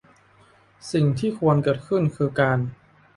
สิ่งที่ควรเกิดขึ้นคือการ